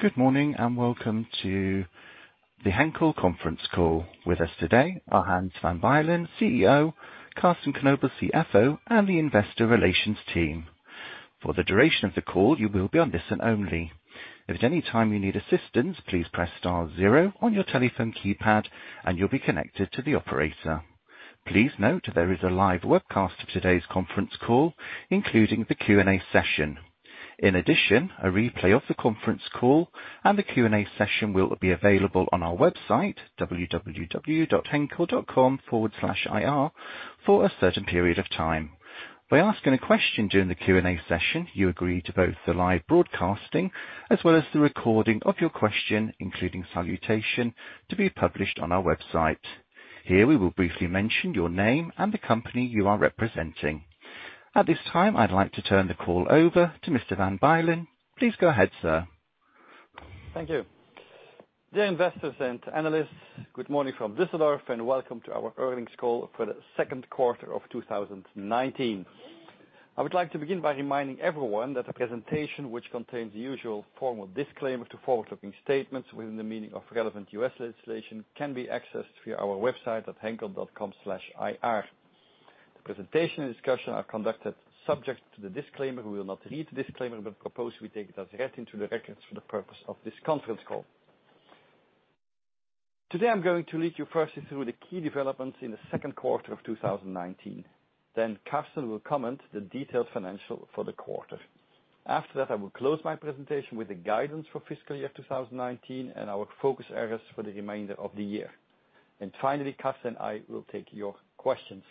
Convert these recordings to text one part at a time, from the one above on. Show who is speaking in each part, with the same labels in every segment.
Speaker 1: Good morning, and welcome to the Henkel conference call. With us today are Hans Van Bylen, CEO, Carsten Knobel, CFO, and the investor relations team. For the duration of the call, you will be on listen only. If at any time you need assistance, please press star zero on your telephone keypad, and you'll be connected to the operator. Please note there is a live webcast of today's conference call, including the Q&A session. A replay of the conference call and the Q&A session will be available on our website, henkel.com/ir, for a certain period of time. By asking a question during the Q&A session, you agree to both the live broadcasting as well as the recording of your question, including salutation, to be published on our website. Here we will briefly mention your name and the company you are representing. At this time, I'd like to turn the call over to Mr. Van Bylen. Please go ahead, sir.
Speaker 2: Thank you. Dear investors and analysts, good morning from Düsseldorf and welcome to our earnings call for the second quarter of 2019. I would like to begin by reminding everyone that the presentation, which contains the usual formal disclaimer to forward-looking statements within the meaning of relevant U.S. legislation, can be accessed via our website at henkel.com/ir. The presentation and discussion are conducted subject to the disclaimer. We will not read the disclaimer but propose we take it as read into the records for the purpose of this conference call. Today, I'm going to lead you firstly through the key developments in the second quarter of 2019. Carsten will comment the detailed financials for the quarter. After that, I will close my presentation with the guidance for fiscal year 2019 and our focus areas for the remainder of the year. Finally, Carsten and I will take your questions.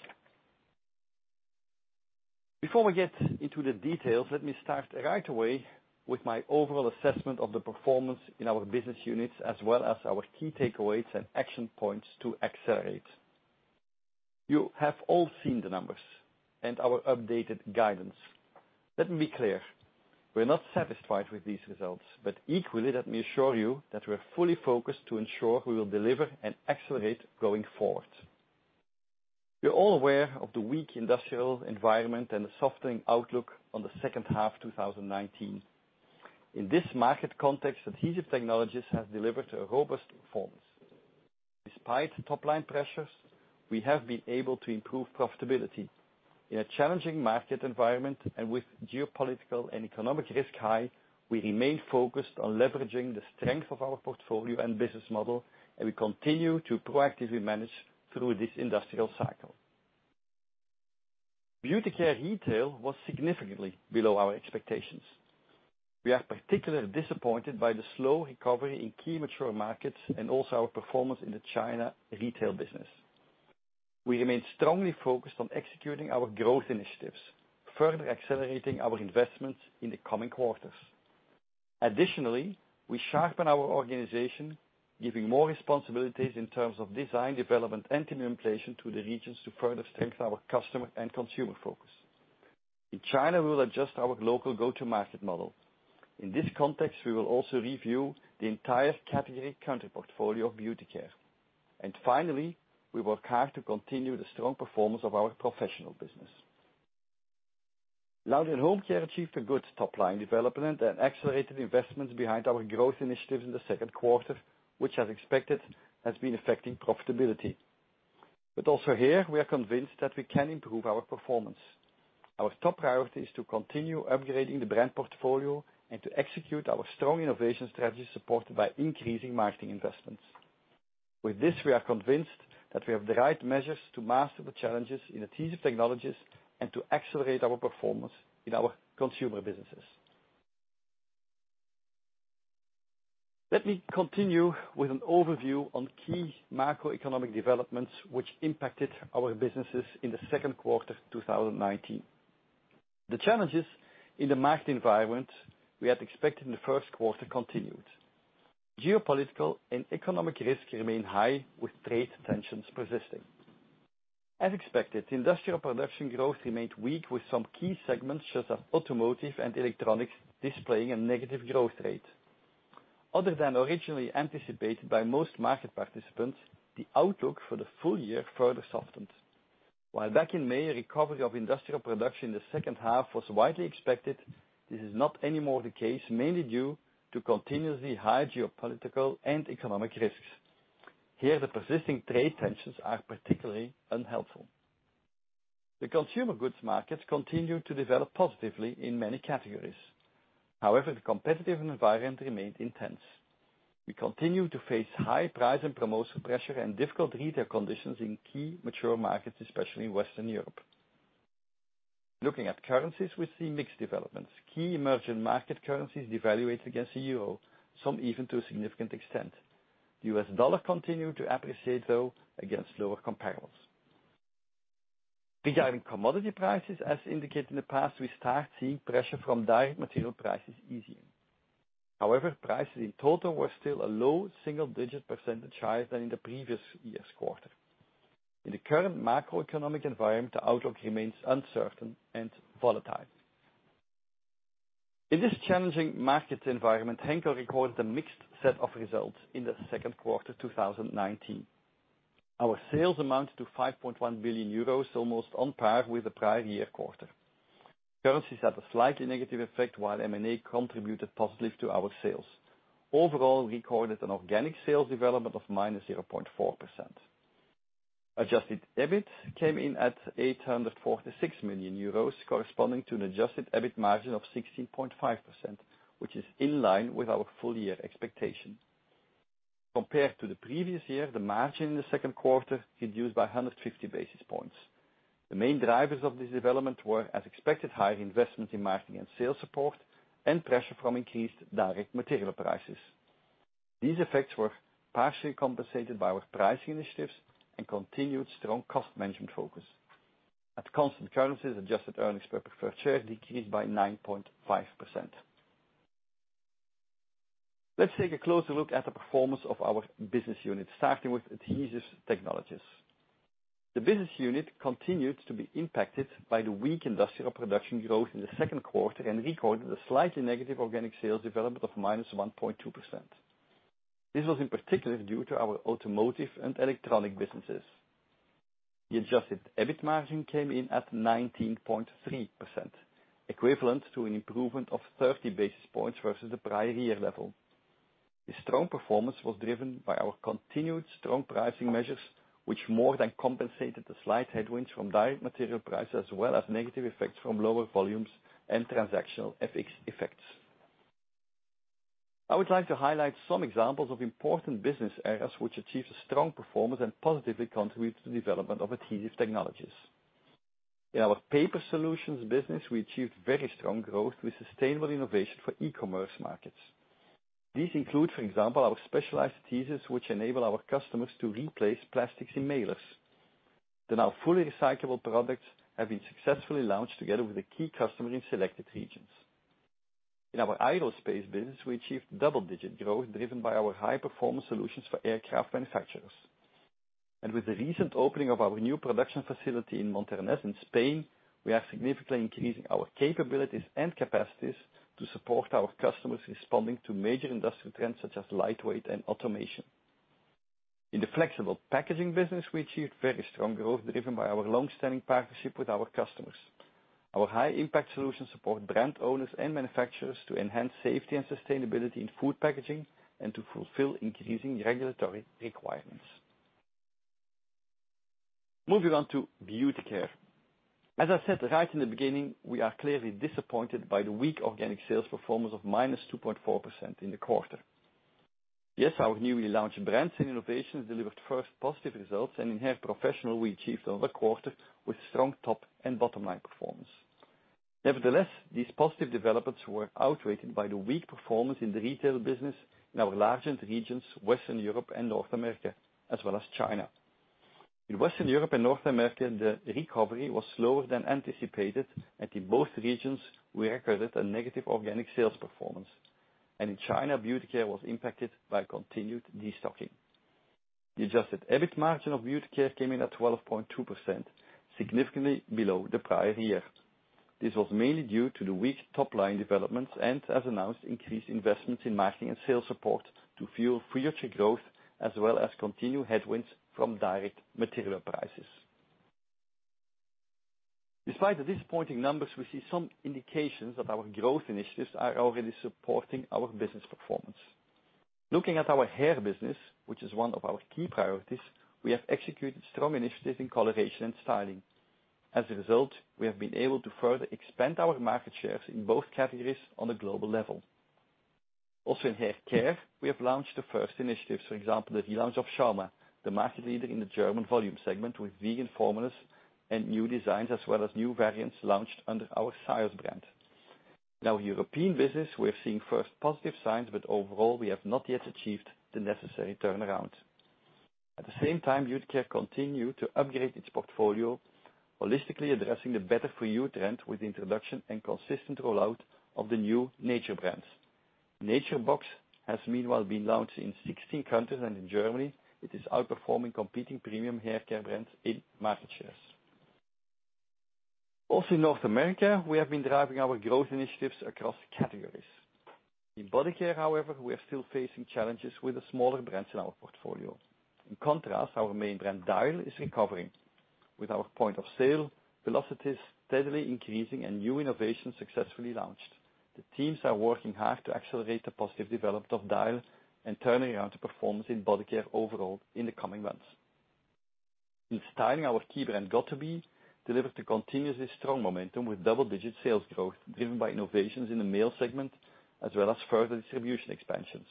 Speaker 2: Before we get into the details, let me start right away with my overall assessment of the performance in our business units as well as our key takeaways and action points to accelerate. You have all seen the numbers and our updated guidance. Let me be clear. We're not satisfied with these results, but equally, let me assure you that we're fully focused to ensure we will deliver and accelerate going forward. You're all aware of the weak industrial environment and the softening outlook on the second half 2019. In this market context, Adhesive Technologies has delivered a robust performance. Despite top-line pressures, we have been able to improve profitability. In a challenging market environment and with geopolitical and economic risk high, we remain focused on leveraging the strength of our portfolio and business model, and we continue to proactively manage through this industrial cycle. Beauty Care retail was significantly below our expectations. We are particularly disappointed by the slow recovery in key mature markets and also our performance in the China retail business. We remain strongly focused on executing our growth initiatives, further accelerating our investments in the coming quarters. We sharpen our organization, giving more responsibilities in terms of design, development, and implementation to the regions to further strengthen our customer and consumer focus. In China, we will adjust our local go-to-market model. In this context, we will also review the entire category country portfolio of Beauty Care. Finally, we work hard to continue the strong performance of our professional business. Laundry & Home Care achieved a good top-line development and accelerated investments behind our growth initiatives in the second quarter, which as expected, has been affecting profitability. Also here, we are convinced that we can improve our performance. Our top priority is to continue upgrading the brand portfolio and to execute our strong innovation strategy supported by increasing marketing investments. With this, we are convinced that we have the right measures to master the challenges in Adhesive Technologies and to accelerate our performance in our consumer businesses. Let me continue with an overview on key macroeconomic developments which impacted our businesses in the second quarter 2019. The challenges in the market environment we had expected in the first quarter continued. Geopolitical and economic risk remain high with trade tensions persisting. As expected, industrial production growth remained weak with some key segments such as automotive and electronics displaying a negative growth rate. Other than originally anticipated by most market participants, the outlook for the full year further softened. While back in May, a recovery of industrial production in the second half was widely expected, this is not anymore the case, mainly due to continuously high geopolitical and economic risks. Here, the persisting trade tensions are particularly unhelpful. The consumer goods markets continue to develop positively in many categories. However, the competitive environment remained intense. We continue to face high price and promotional pressure and difficult retail conditions in key mature markets, especially in Western Europe. Looking at currencies, we see mixed developments. Key emerging market currencies devaluate against the euro, some even to a significant extent. The U.S. dollar continued to appreciate, though, against lower comparables. Regarding commodity prices, as indicated in the past, we start seeing pressure from direct material prices easing. However, prices in total were still a low single-digit percentage higher than in the previous year's quarter. In the current macroeconomic environment, the outlook remains uncertain and volatile. In this challenging market environment, Henkel recorded a mixed set of results in the second quarter 2019. Our sales amounted to 5.1 billion euros, almost on par with the prior year quarter. Currencies had a slightly negative effect, while M&A contributed positively to our sales. Overall, we recorded an organic sales development of minus 0.4%. Adjusted EBIT came in at 846 million euros, corresponding to an adjusted EBIT margin of 16.5%, which is in line with our full year expectation. Compared to the previous year, the margin in the second quarter reduced by 150 basis points. The main drivers of this development were, as expected, higher investment in marketing and sales support and pressure from increased direct material prices. These effects were partially compensated by our pricing initiatives and continued strong cost management focus. At constant currencies, adjusted earnings per preferred share decreased by 9.5%. Let's take a closer look at the performance of our business unit, starting with Adhesive Technologies. The business unit continued to be impacted by the weak industrial production growth in the second quarter and recorded a slightly negative organic sales development of -1.2%. This was in particular due to our automotive and electronic businesses. The adjusted EBIT margin came in at 19.3%, equivalent to an improvement of 30 basis points versus the prior year level. The strong performance was driven by our continued strong pricing measures, which more than compensated the slight headwinds from direct material price, as well as negative effects from lower volumes and transactional FX effects. I would like to highlight some examples of important business areas which achieved a strong performance and positively contribute to the development of Adhesive Technologies. In our Paper Solutions business, we achieved very strong growth with sustainable innovation for e-commerce markets. These include, for example, our specialized adhesives, which enable our customers to replace plastics in mailers. The now fully recyclable products have been successfully launched together with a key customer in selected regions. In our Aerospace business, we achieved double-digit growth driven by our high-performance solutions for aircraft manufacturers. With the recent opening of our new production facility in Montornès in Spain, we are significantly increasing our capabilities and capacities to support our customers responding to major industrial trends such as lightweight and automation. In the Flexible Packaging business, we achieved very strong growth driven by our long-standing partnership with our customers. Our high impact solutions support brand owners and manufacturers to enhance safety and sustainability in food packaging and to fulfill increasing regulatory requirements. Moving on to Beauty Care. As I said right in the beginning, we are clearly disappointed by the weak organic sales performance of -2.4% in the quarter. Yes, our newly launched brands and innovations delivered first positive results, and in Hair Professional, we achieved another quarter with strong top and bottom line performance. Nevertheless, these positive developments were outweighed by the weak performance in the retail business in our largest regions, Western Europe and North America, as well as China. In Western Europe and North America, the recovery was slower than anticipated, in both regions we recorded a negative organic sales performance. In China, Beauty Care was impacted by continued destocking. The adjusted EBIT margin of Beauty Care came in at 12.2%, significantly below the prior year. This was mainly due to the weak top-line developments and, as announced, increased investments in marketing and sales support to fuel future growth, as well as continued headwinds from direct material prices. Despite the disappointing numbers, we see some indications that our growth initiatives are already supporting our business performance. Looking at our hair business, which is one of our key priorities, we have executed strong initiatives in coloration and styling. As a result, we have been able to further expand our market shares in both categories on a global level. In Hair Care, we have launched the first initiatives. For example, the relaunch of Schauma, the market leader in the German volume segment, with vegan formulas and new designs as well as new variants launched under our Syoss brand. In our European business, we are seeing first positive signs, but overall, we have not yet achieved the necessary turnaround. At the same time, Beauty Care continue to upgrade its portfolio holistically addressing the better-for-you trend with the introduction and consistent rollout of the new Nature Box. Nature Box has meanwhile been launched in 16 countries, and in Germany it is outperforming competing premium haircare brands in market shares. Also in North America, we have been driving our growth initiatives across categories. In Body Care, however, we are still facing challenges with the smaller brands in our portfolio. In contrast, our main brand, Dial, is recovering with our point of sale velocities steadily increasing and new innovations successfully launched. The teams are working hard to accelerate the positive development of Dial and turning around the performance in Body Care overall in the coming months. In styling, our key brand, got2b, delivered a continuously strong momentum with double-digit sales growth driven by innovations in the male segment as well as further distribution expansions.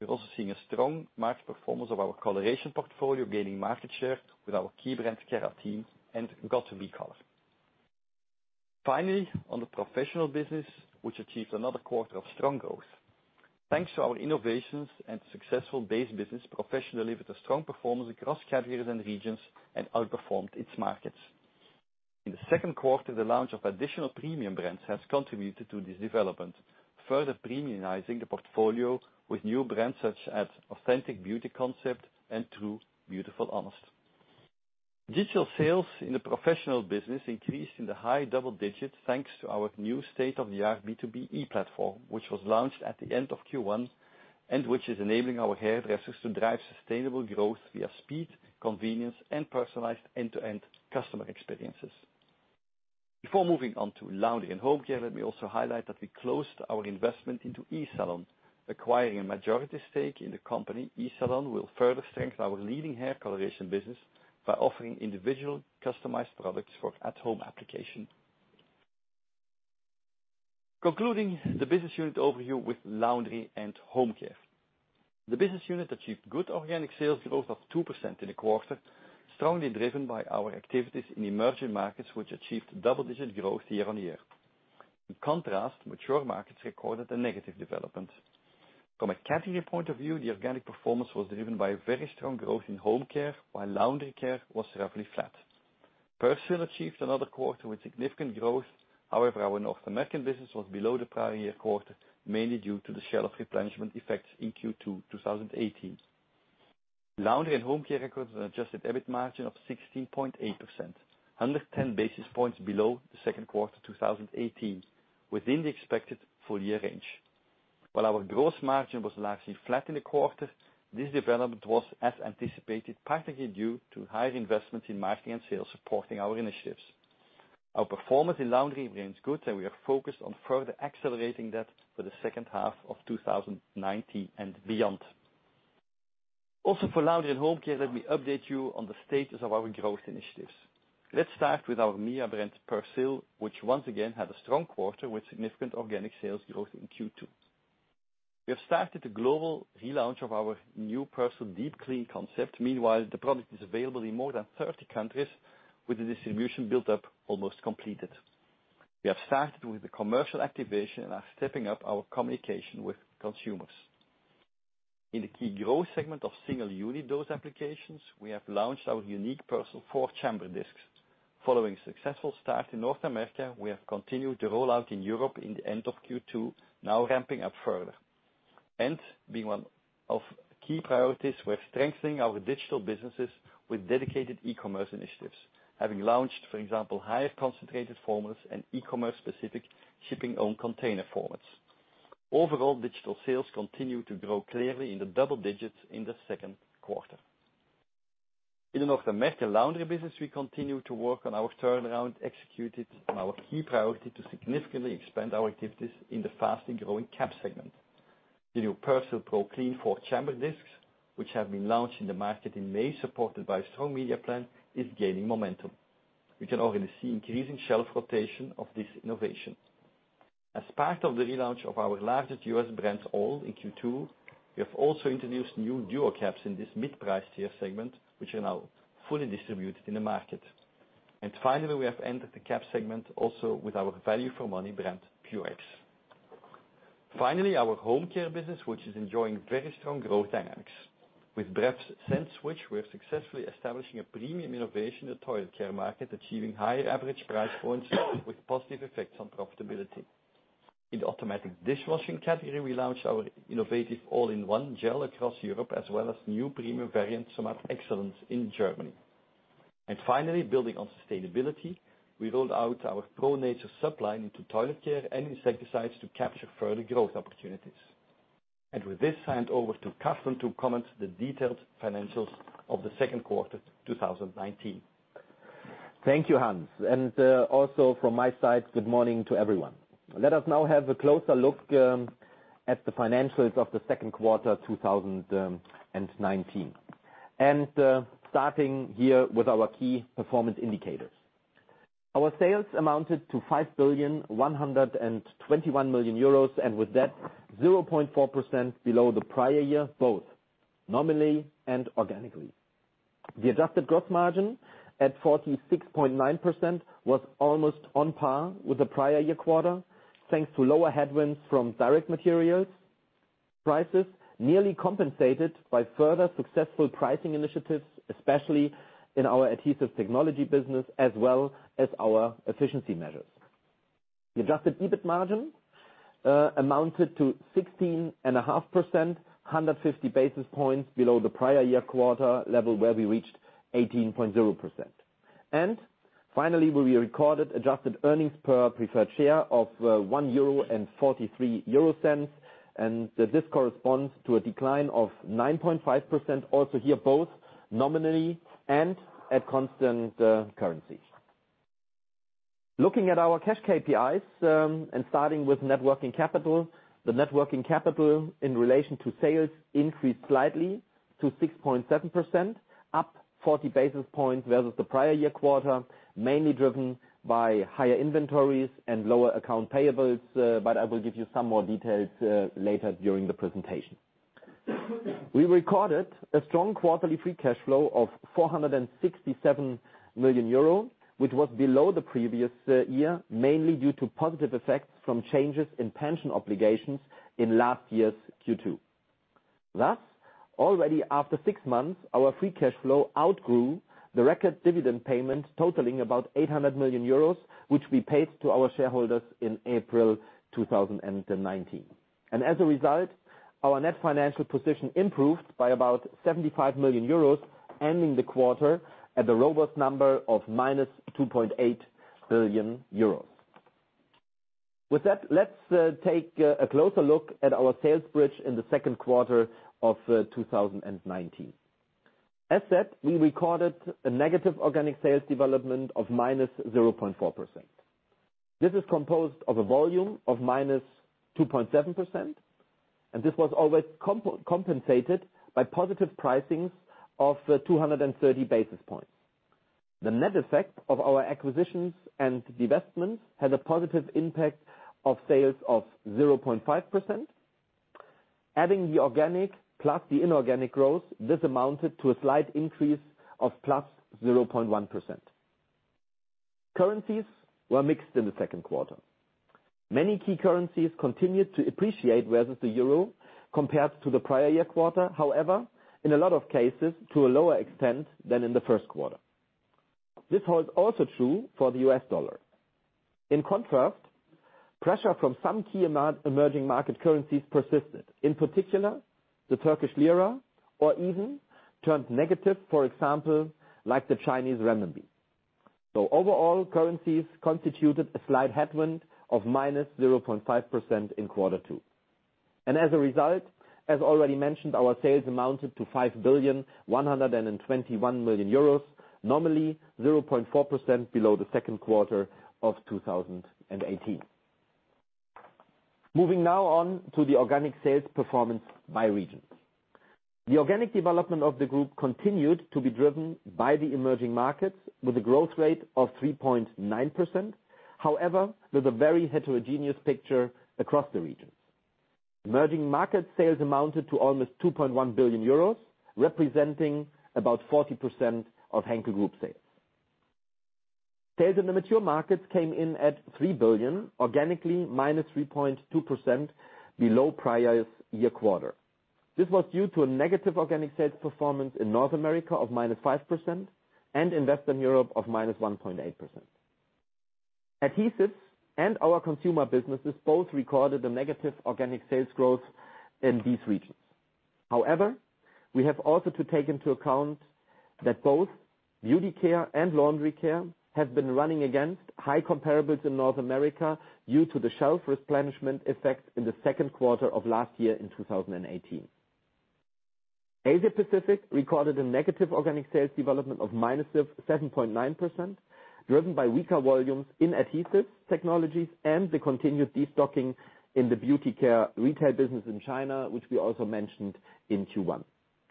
Speaker 2: We're also seeing a strong market performance of our coloration portfolio, gaining market share with our key brand Kérastase and göt2b color. On the Professional business, which achieved another quarter of strong growth. Thanks to our innovations and successful base business, Professional delivered a strong performance across categories and regions and outperformed its markets. In the second quarter, the launch of additional premium brands has contributed to this development, further premiumizing the portfolio with new brands such as Authentic Beauty Concept and True Beautiful Honest. Digital sales in the professional business increased in the high double digits, thanks to our new state-of-the-art B2B e-platform, which was launched at the end of Q1, and which is enabling our hairdressers to drive sustainable growth via speed, convenience, and personalized end-to-end customer experiences. Before moving on to Laundry & Home Care, let me also highlight that we closed our investment into eSalon, acquiring a majority stake in the company. eSalon will further strengthen our leading hair coloration business by offering individual customized products for at home application. Concluding the business unit overview with Laundry & Home Care. The business unit achieved good organic sales growth of 2% in the quarter, strongly driven by our activities in emerging markets, which achieved double-digit growth year-on-year. In contrast, mature markets recorded a negative development. From a category point of view, the organic performance was driven by very strong growth in Home Care while Laundry Care was roughly flat. Persil achieved another quarter with significant growth. However, our North American business was below the prior year quarter, mainly due to the shelf replenishment effects in Q2 2018. Laundry & Home Care records an adjusted EBIT margin of 16.8%, 110 basis points below the second quarter 2018, within the expected full year range. While our gross margin was largely flat in the quarter, this development was as anticipated, practically due to higher investments in marketing and sales supporting our initiatives. Our performance in laundry remains good. We are focused on further accelerating that for the second half of 2019 and beyond. For Laundry & Home Care, let me update you on the status of our growth initiatives. Let's start with our brand Persil, which once again had a strong quarter with significant organic sales growth in Q2. We have started the global relaunch of our new Persil Deep Clean concept. Meanwhile, the product is available in more than 30 countries with the distribution built up almost completed. We have started with the commercial activation. We are stepping up our communication with consumers. In the key growth segment of single unit dose applications, we have launched our unique Persil four-chamber discs. Following a successful start in North America, we have continued to roll out in Europe in the end of Q2, now ramping up further. Being one of key priorities, we're strengthening our digital businesses with dedicated e-commerce initiatives. Having launched, for example, higher concentrated formulas and e-commerce specific shipping own container formats. Overall, digital sales continue to grow clearly in the double digits in the second quarter. In the North American laundry business, we continue to work on our turnaround executed and our key priority to significantly expand our activities in the fast and growing caps segment. The new Persil ProClean four-chamber discs, which have been launched in the market in May, supported by a strong media plan, is gaining momentum. We can already see increasing shelf rotation of this innovation. As part of the relaunch of our largest U.S. brands all in Q2, we have also introduced new Duo-Caps in this mid-price tier segment, which are now fully distributed in the market. Finally, we have entered the caps segment also with our value for money brand, Purex. Finally, our Home Care business, which is enjoying very strong growth dynamics. With Bref ScentSwitch, we're successfully establishing a premium innovation in the toilet care market, achieving higher average price points with positive effects on profitability. In the automatic dishwashing category, we launched our innovative all-in-one gel across Europe as well as new premium variants from our Somat Excellence in Germany. Finally, building on sustainability, we rolled out our Pro Nature subline into toilet care and insecticides to capture further growth opportunities. With this, hand over to Carsten to comment the detailed financials of the second quarter 2019.
Speaker 3: Thank you, Hans, and also from my side, good morning to everyone. Let us now have a closer look at the financials of the second quarter 2019. Starting here with our key performance indicators. Our sales amounted to 5.121 billion and with that 0.4% below the prior year, both nominally and organically. The adjusted gross margin at 46.9% was almost on par with the prior year quarter, thanks to lower headwinds from direct materials. Prices nearly compensated by further successful pricing initiatives, especially in our Adhesive Technologies business as well as our efficiency measures. The adjusted EBIT margin amounted to 16.5%, 150 basis points below the prior year quarter level where we reached 18.0%. Finally, we recorded adjusted earnings per preferred share of 1.43 euro, and this corresponds to a decline of 9.5%, also here both nominally and at constant currency. Looking at our cash KPIs, and starting with net working capital, the net working capital in relation to sales increased slightly to 6.7%, up 40 basis points versus the prior year quarter, mainly driven by higher inventories and lower account payables, but I will give you some more details later during the presentation. We recorded a strong quarterly free cash flow of €467 million, which was below the previous year, mainly due to positive effects from changes in pension obligations in last year's Q2. Thus, already after six months, our free cash flow outgrew the record dividend payment totaling about €800 million, which we paid to our shareholders in April 2019. As a result, our net financial position improved by about €75 million, ending the quarter at the robust number of minus €2.8 billion. With that, let's take a closer look at our sales bridge in the second quarter of 2019. As said, we recorded a negative organic sales development of -0.4%. This is composed of a volume of -2.7%, and this was overcompensated by positive pricings of 230 basis points. The net effect of our acquisitions and divestments had a positive impact of sales of 0.5%. Adding the organic plus the inorganic growth, this amounted to a slight increase of +0.1%. Currencies were mixed in the second quarter. Many key currencies continued to appreciate versus the euro compared to the prior year quarter. However, in a lot of cases, to a lower extent than in the first quarter. This holds also true for the US dollar. In contrast, pressure from some key emerging market currencies persisted, in particular, the Turkish lira, or even turned negative, for example, like the Chinese renminbi. Overall, currencies constituted a slight headwind of -0.5% in quarter two. As a result, as already mentioned, our sales amounted to 5 billion 121 million, nominally 0.4% below the second quarter of 2018. Moving now on to the organic sales performance by regions. The organic development of the group continued to be driven by the emerging markets, with a growth rate of 3.9%. However, there's a very heterogeneous picture across the regions. Emerging market sales amounted to almost 2.1 billion euros, representing about 40% of Henkel Group sales. Sales in the mature markets came in at 3 billion, organically -3.2% below prior year quarter. This was due to a negative organic sales performance in North America of -5% and in Western Europe of -1.8%. Adhesive Technologies and our consumer businesses both recorded a negative organic sales growth in these regions. However, we have also to take into account that both Beauty Care and Laundry Care have been running against high comparables in North America due to the shelf replenishment effect in the second quarter of last year in 2018. Asia-Pacific recorded a negative organic sales development of -7.9%, driven by weaker volumes in Adhesive Technologies and the continued destocking in the Beauty Care retail business in China, which we also mentioned in Q1.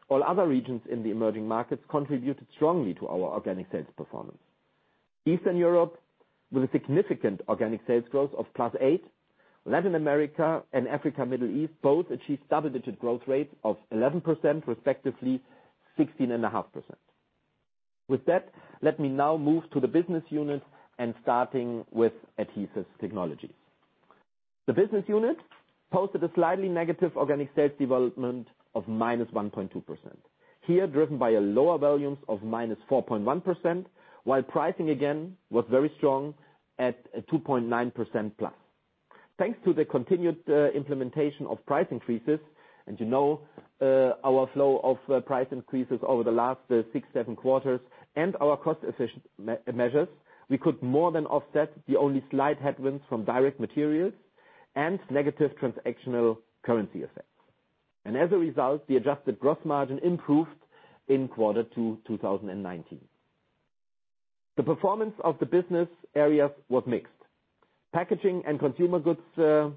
Speaker 3: All other regions in the emerging markets contributed strongly to our organic sales performance. Eastern Europe, with a significant organic sales growth of +8%, Latin America and Africa, Middle East both achieved double-digit growth rates of 11%, respectively 16.5%. With that, let me now move to the business units and starting with Adhesive Technologies. The business unit posted a slightly negative organic sales development of -1.2%, here driven by a lower volumes of -4.1%, while pricing again was very strong at +2.9%. Thanks to the continued implementation of price increases, you know our flow of price increases over the last six, seven quarters and our cost-efficient measures, we could more than offset the only slight headwinds from direct materials and negative transactional currency effects. As a result, the adjusted gross margin improved in quarter two 2019. The performance of the business areas was mixed. Packaging and Consumer Goods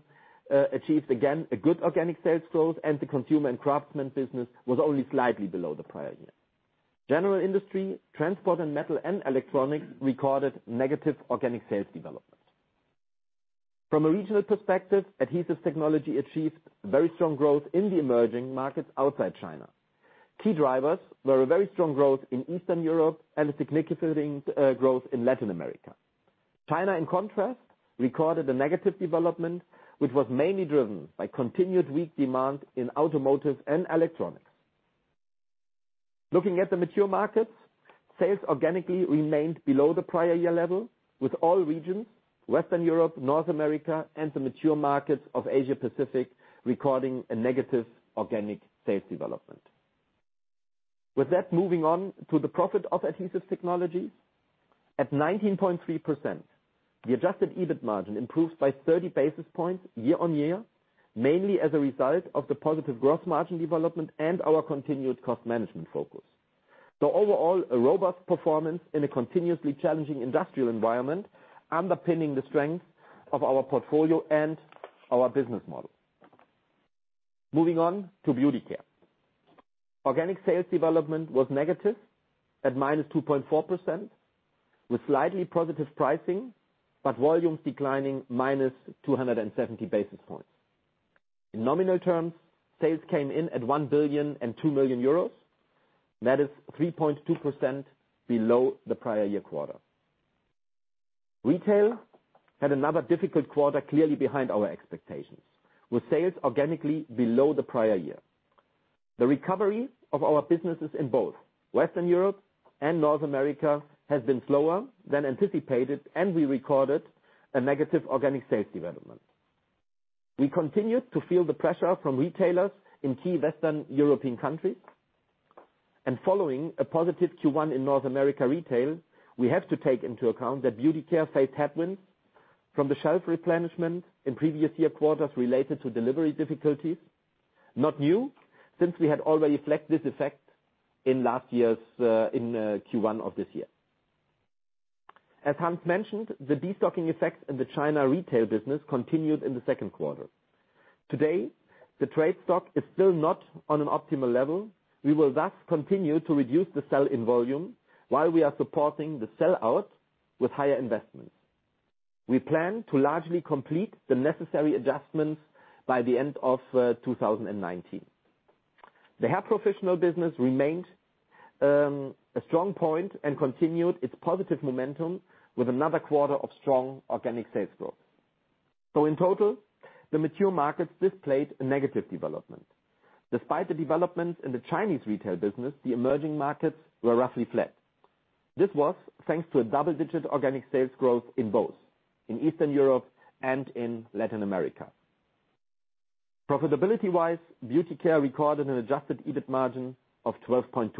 Speaker 3: achieved, again, a good organic sales growth, and the Consumer and Craftsman business was only slightly below the prior year. General Industry, Transport and Metal and electronics recorded negative organic sales development. From a regional perspective, Adhesive Technologies achieved very strong growth in the emerging markets outside China. Key drivers were a very strong growth in Eastern Europe and a significant growth in Latin America. China, in contrast, recorded a negative development, which was mainly driven by continued weak demand in automotive and electronics. Looking at the mature markets, sales organically remained below the prior year level with all regions, Western Europe, North America, and the mature markets of Asia-Pacific recording a negative organic sales development. With that, moving on to the profit of Adhesive Technologies. At 19.3%, the adjusted EBIT margin improved by 30 basis points year-on-year, mainly as a result of the positive gross margin development and our continued cost management focus. Overall, a robust performance in a continuously challenging industrial environment, underpinning the strength of our portfolio and our business model. Moving on to Beauty Care. Organic sales development was negative at minus 2.4%, with slightly positive pricing. Volumes declining minus 270 basis points. In nominal terms, sales came in at 1 billion and 2 million. That is 3.2% below the prior year quarter. Retail had another difficult quarter, clearly behind our expectations, with sales organically below the prior year. The recovery of our businesses in both Western Europe and North America has been slower than anticipated. We recorded a negative organic sales development. We continued to feel the pressure from retailers in key Western European countries. Following a positive Q1 in North America retail, we have to take into account that Beauty Care faced headwinds from the shelf replenishment in previous year quarters related to delivery difficulties. Not new, since we had already flagged this effect in Q1 of this year. As Hans mentioned, the destocking effect in the China retail business continued in the second quarter. Today, the trade stock is still not on an optimal level. We will thus continue to reduce the sell-in volume while we are supporting the sell-out with higher investments. We plan to largely complete the necessary adjustments by the end of 2019. The Hair Professional business remained a strong point and continued its positive momentum with another quarter of strong organic sales growth. In total, the mature markets displayed a negative development. Despite the development in the Chinese retail business, the emerging markets were roughly flat. This was thanks to a double-digit organic sales growth in both, in Eastern Europe and in Latin America. Profitability-wise, Beauty Care recorded an adjusted EBIT margin of 12.2%.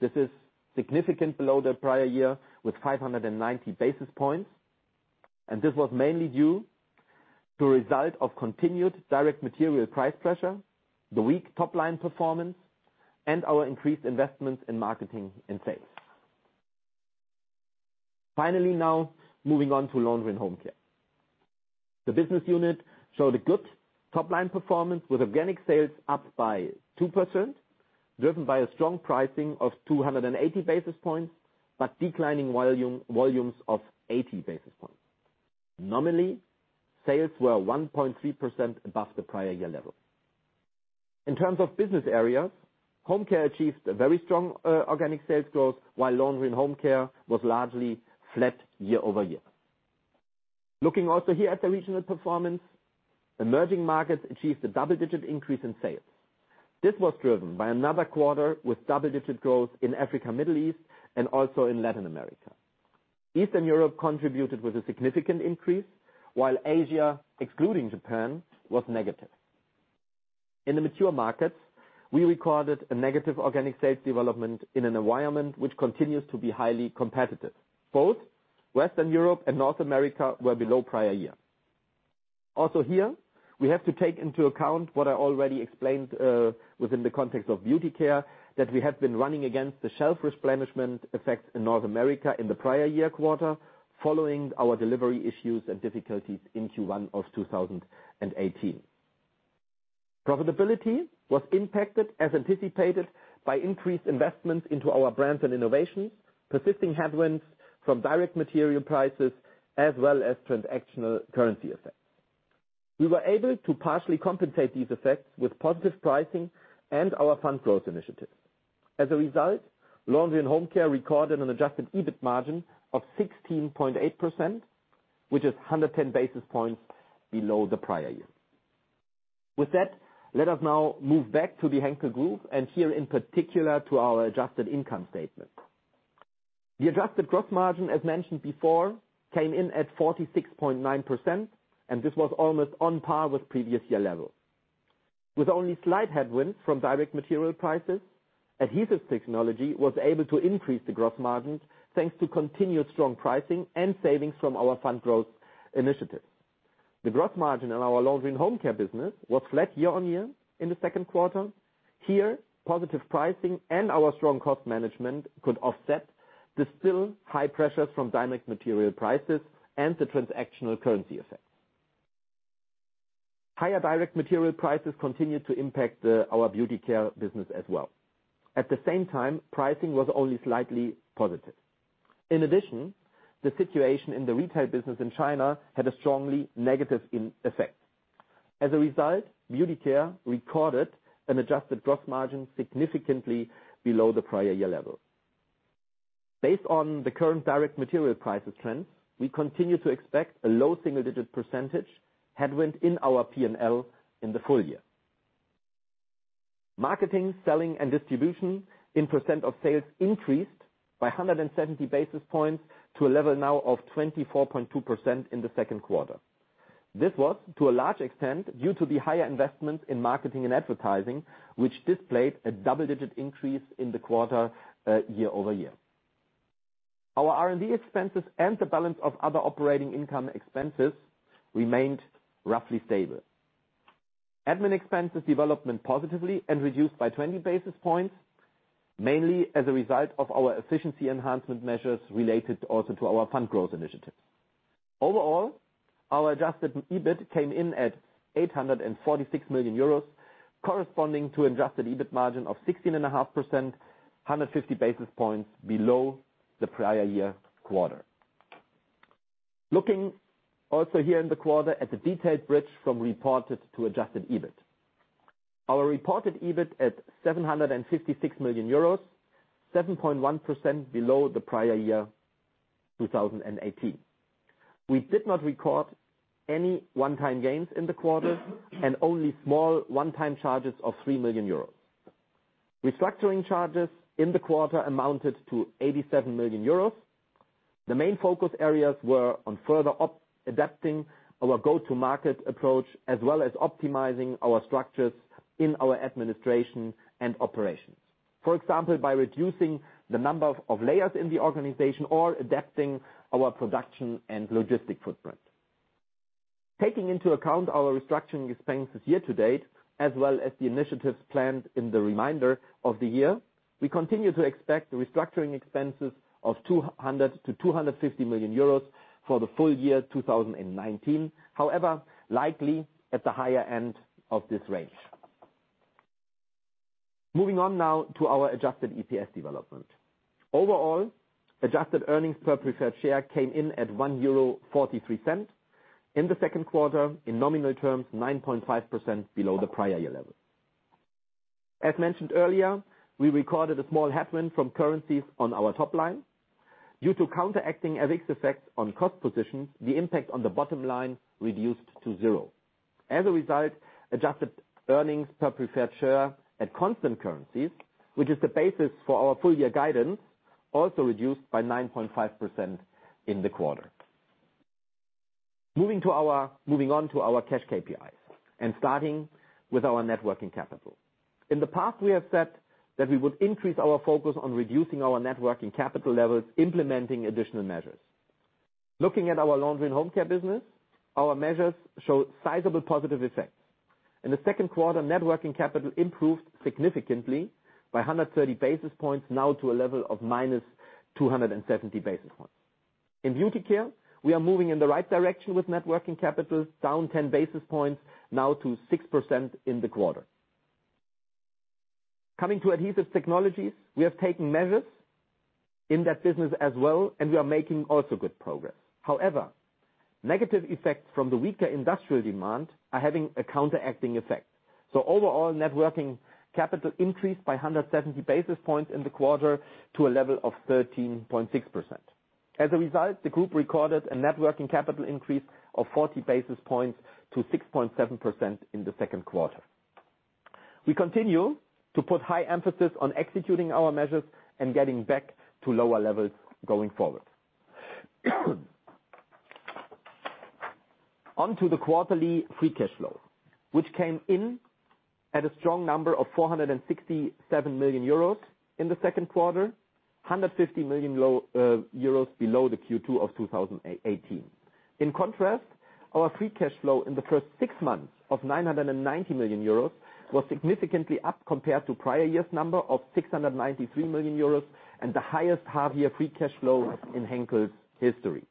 Speaker 3: This is significant below the prior year, with 590 basis points, and this was mainly due to result of continued direct material price pressure, the weak top-line performance, and our increased investments in marketing and sales. Finally now, moving on to Laundry and Home Care. The business unit showed a good top-line performance with organic sales up by 2%, driven by a strong pricing of 280 basis points, but declining volumes of 80 basis points. Nominally, sales were 1.3% above the prior year level. In terms of business areas, Home Care achieved a very strong organic sales growth while Laundry and Home Care was largely flat year-over-year. Looking also here at the regional performance, emerging markets achieved a double-digit increase in sales. This was driven by another quarter with double-digit growth in Africa, Middle East, and also in Latin America. Eastern Europe contributed with a significant increase, while Asia, excluding Japan, was negative. In the mature markets, we recorded a negative organic sales development in an environment which continues to be highly competitive. Both Western Europe and North America were below prior year. Here, we have to take into account what I already explained within the context of Beauty Care, that we have been running against the shelf replenishment effect in North America in the prior year quarter, following our delivery issues and difficulties in Q1 of 2018. Profitability was impacted as anticipated by increased investments into our brands and innovations, persisting headwinds from direct material prices, as well as transactional currency effects. We were able to partially compensate these effects with positive pricing and our funded growth initiatives. As a result, Laundry & Home Care recorded an adjusted EBIT margin of 16.8%, which is 110 basis points below the prior year. With that, let us now move back to the Henkel Group, and here in particular to our adjusted income statement. The adjusted gross margin, as mentioned before, came in at 46.9%, and this was almost on par with previous year level. With only slight headwinds from direct material prices, Adhesive Technologies was able to increase the gross margins, thanks to continued strong pricing and savings from our funded growth initiatives. The gross margin on our Laundry & Home Care business was flat year on year in the second quarter. Here, positive pricing and our strong cost management could offset the still high pressures from direct material prices and the transactional currency effects. Higher direct material prices continued to impact our Beauty Care business as well. Pricing was only slightly positive. The situation in the retail business in China had a strongly negative effect. Beauty Care recorded an adjusted gross margin significantly below the prior year level. Based on the current direct material prices trends, we continue to expect a low single-digit percentage headwind in our P&L in the full year. Marketing, selling, and distribution in % of sales increased by 170 basis points to a level now of 24.2% in the second quarter. This was, to a large extent, due to the higher investments in marketing and advertising, which displayed a double-digit increase in the quarter year-over-year. Our R&D expenses and the balance of other operating income expenses remained roughly stable. Admin expenses developed positively and reduced by 20 basis points, mainly as a result of our efficiency enhancement measures related also to our funded growth initiatives. Overall, our adjusted EBIT came in at 846 million euros, corresponding to adjusted EBIT margin of 16.5%, 150 basis points below the prior year quarter. Looking also here in the quarter at the detailed bridge from reported to adjusted EBIT. Our reported EBIT at 756 million euros, 7.1% below the prior year, 2018. We did not record any one-time gains in the quarter, and only small one-time charges of 3 million euros. Restructuring charges in the quarter amounted to 87 million euros. The main focus areas were on further adapting our go-to-market approach, as well as optimizing our structures in our administration and operations. For example, by reducing the number of layers in the organization or adapting our production and logistic footprint. Taking into account our restructuring expenses year to date, as well as the initiatives planned in the remainder of the year, we continue to expect restructuring expenses of 200 million to 250 million euros for the full year 2019. Likely at the higher end of this range. Moving on now to our adjusted EPS development. Overall, adjusted earnings for preferred share came in at 1.43 euro in the second quarter. In nominal terms, 9.5% below the prior year level. As mentioned earlier, we recorded a small headwind from currencies on our top line. Due to counteracting FX effects on cost positions, the impact on the bottom line reduced to zero. As a result, adjusted earnings per preferred share at constant currencies, which is the basis for our full year guidance, also reduced by 9.5% in the quarter. Moving on to our cash KPIs, and starting with our net working capital. In the past, we have said that we would increase our focus on reducing our net working capital levels, implementing additional measures. Looking at our Laundry & Home Care business, our measures show sizable positive effects. In the second quarter, net working capital improved significantly by 130 basis points, now to a level of minus 270 basis points. In Beauty Care, we are moving in the right direction with net working capital down 10 basis points now to 6% in the quarter. Coming to Adhesive Technologies, we have taken measures in that business as well, and we are making also good progress. Negative effects from the weaker industrial demand are having a counteracting effect. Overall, net working capital increased by 170 basis points in the quarter to a level of 13.6%. As a result, the group recorded a net working capital increase of 40 basis points to 6.7% in the second quarter. We continue to put high emphasis on executing our measures and getting back to lower levels going forward. On to the quarterly free cash flow, which came in at a strong number of 467 million euros in the second quarter, 150 million euros below the Q2 of 2018. In contrast, our free cash flow in the first six months of 990 million euros was significantly up compared to prior year's number of 693 million euros, and the highest half year free cash flow in Henkel's history.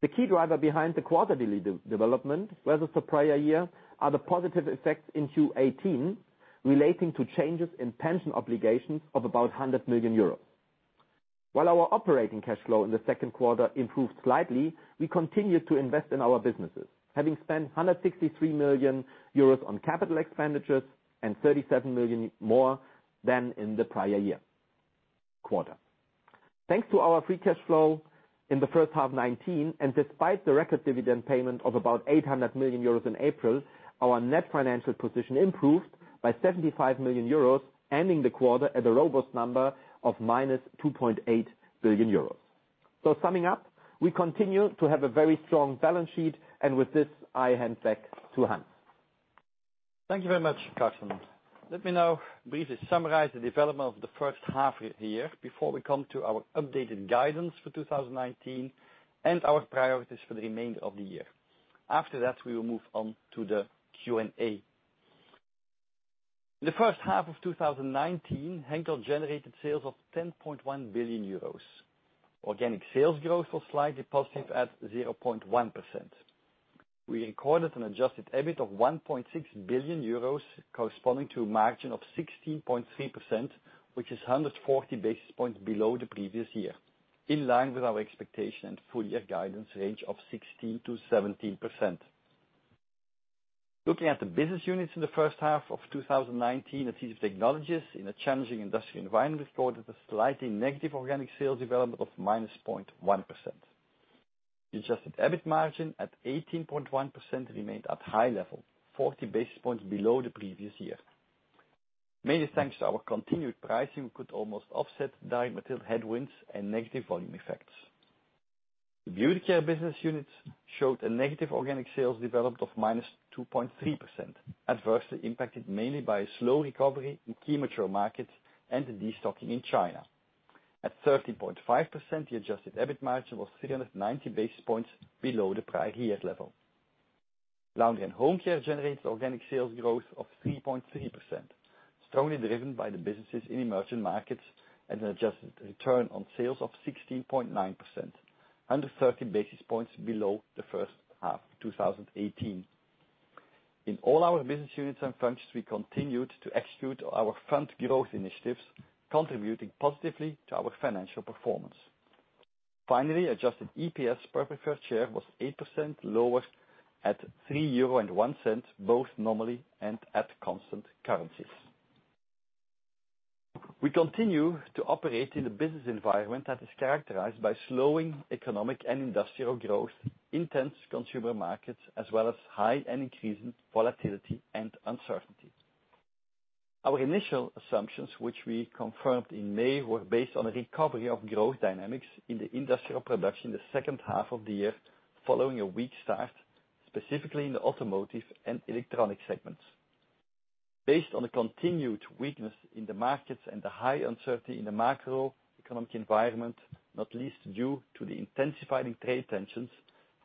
Speaker 3: The key driver behind the quarterly development versus the prior year are the positive effects in Q18 relating to changes in pension obligations of about 100 million euros. While our operating cash flow in the second quarter improved slightly, we continued to invest in our businesses, having spent 163 million euros on capital expenditures and 37 million more than in the prior year quarter. Thanks to our free cash flow in the first half 2019, Despite the record dividend payment of about 800 million euros in April, our net financial position improved by 75 million euros, ending the quarter at a robust number of minus 2.8 billion euros. Summing up, we continue to have a very strong balance sheet. With this, I hand back to Hans.
Speaker 2: Thank you very much, Carsten. Let me now briefly summarize the development of the first half of the year before we come to our updated guidance for 2019 and our priorities for the remainder of the year. After that, we will move on to the Q&A. In the first half of 2019, Henkel generated sales of 10.1 billion euros. Organic sales growth was slightly positive at 0.1%. We recorded an adjusted EBIT of 1.6 billion euros, corresponding to a margin of 16.3%, which is 140 basis points below the previous year, in line with our expectation and full year guidance range of 16%-17%. Looking at the business units in the first half of 2019, Adhesive Technologies in a challenging industrial environment, recorded a slightly negative organic sales development of minus 0.1%. Adjusted EBIT margin at 18.1% remained at high level, 40 basis points below the previous year. Mainly thanks to our continued pricing, we could almost offset raw material headwinds and negative volume effects. The Beauty Care business unit showed a negative organic sales development of -2.3%, adversely impacted mainly by a slow recovery in key mature markets and the destocking in China. At 13.5%, the adjusted EBIT margin was 390 basis points below the prior year's level. Laundry & Home Care generated organic sales growth of 3.3%, strongly driven by the businesses in emerging markets, and an adjusted return on sales of 16.9%, under 30 basis points below the first half of 2018. In all our business units and functions, we continued to execute our front growth initiatives, contributing positively to our financial performance. Finally, adjusted EPS per preferred share was 8% lower at 3.01 euro, both normally and at constant currencies. We continue to operate in a business environment that is characterized by slowing economic and industrial growth, intense consumer markets, as well as high and increasing volatility and uncertainty. Our initial assumptions, which we confirmed in May, were based on a recovery of growth dynamics in the industrial production in the second half of the year, following a weak start, specifically in the automotive and electronic segments. Based on the continued weakness in the markets and the high uncertainty in the macroeconomic environment, not least due to the intensifying trade tensions,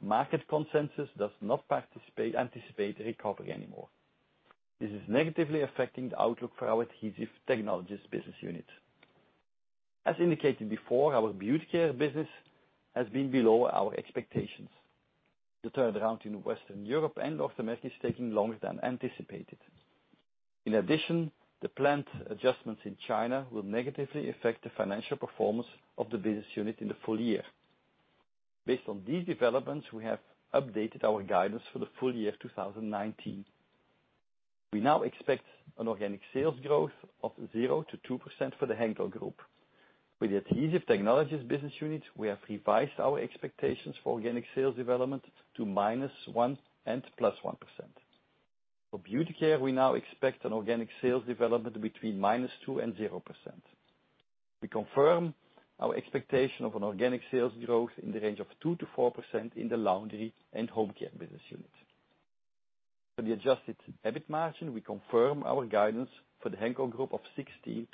Speaker 2: market consensus does not anticipate a recovery anymore. This is negatively affecting the outlook for our Adhesive Technologies business unit. As indicated before, our Beauty Care business has been below our expectations. The turnaround in Western Europe and North America is taking longer than anticipated. In addition, the planned adjustments in China will negatively affect the financial performance of the business unit in the full year. Based on these developments, we have updated our guidance for the full year 2019. We now expect an organic sales growth of 0%-2% for the Henkel Group. With the Adhesive Technologies business unit, we have revised our expectations for organic sales development to -1% and +1%. For Beauty Care, we now expect an organic sales development between -2% and 0%. We confirm our expectation of an organic sales growth in the range of 2%-4% in the Laundry & Home Care business unit. For the adjusted EBIT margin, we confirm our guidance for the Henkel Group of 16%-17%.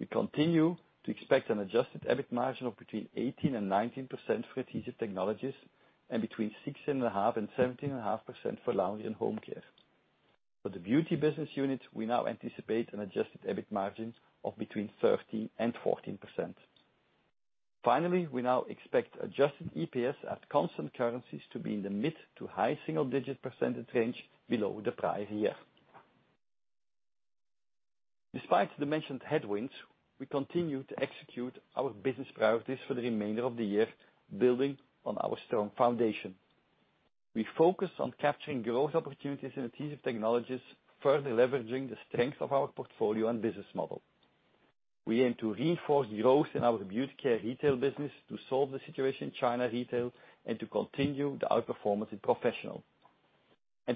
Speaker 2: We continue to expect an adjusted EBIT margin of between 18% and 19% for Adhesive Technologies, and between 16.5% and 17.5% for Laundry and Home Care. For the Beauty business unit, we now anticipate an adjusted EBIT margin of between 13% and 14%. Finally, we now expect adjusted EPS at constant currencies to be in the mid-to high single-digit percentage range below the prior year. Despite the mentioned headwinds, we continue to execute our business priorities for the remainder of the year, building on our strong foundation. We focus on capturing growth opportunities in Adhesive Technologies, further leveraging the strength of our portfolio and business model. We aim to reinforce growth in our Beauty Care retail business to solve the situation in China retail and to continue the outperformance in professional.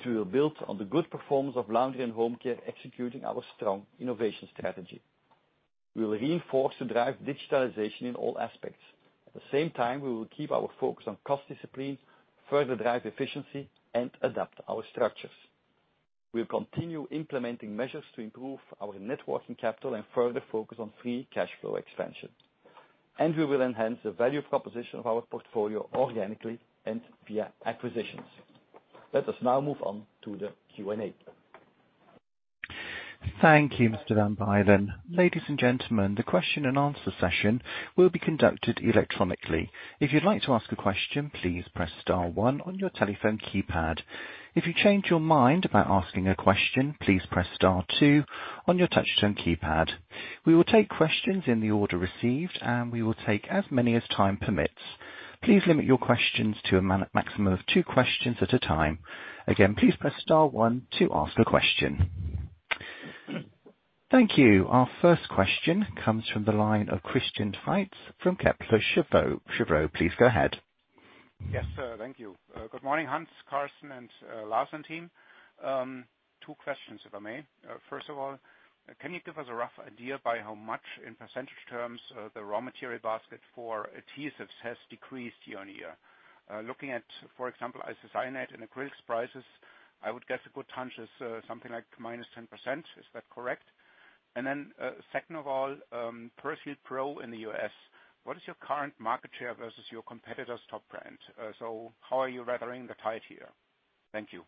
Speaker 2: We will build on the good performance of Laundry and Home Care, executing our strong innovation strategy. We will reinforce to drive digitalization in all aspects. At the same time, we will keep our focus on cost discipline, further drive efficiency, and adapt our structures. We'll continue implementing measures to improve our net working capital and further focus on free cash flow expansion. We will enhance the value proposition of our portfolio organically and via acquisitions. Let us now move on to the Q&A.
Speaker 1: Thank you, Mr. Van Bylen. Ladies and gentlemen, the question and answer session will be conducted electronically. If you'd like to ask a question, please press star one on your telephone keypad. If you change your mind about asking a question, please press star two on your touch-tone keypad. We will take questions in the order received, and we will take as many as time permits. Please limit your questions to a maximum of two questions at a time. Again, please press star one to ask a question. Thank you. Our first question comes from the line of Christian Faitz from Kepler Cheuvreux. Please go ahead.
Speaker 4: Yes, thank you. Good morning, Hans, Carsten, and Leslie team. Two questions, if I may. Can you give us a rough idea by how much, in percentage terms, the raw material basket for adhesives has decreased year-on-year? Looking at, for example, isocyanates and acrylics prices, I would guess a good hunch is something like -10%. Is that correct? Second of all, Persil Pro in the U.S., what is your current market share versus your competitor's top brand? How are you weathering the tide here? Thank you.